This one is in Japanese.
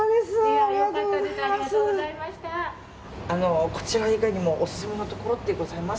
ありがとうございます。